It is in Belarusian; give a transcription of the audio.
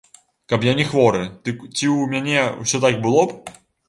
Каб я не хворы, дык ці ў мяне ўсё так было б?